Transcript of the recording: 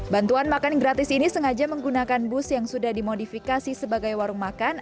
bantuan makan gratis ini sengaja menggunakan bus yang sudah dimodifikasi sebagai warung makan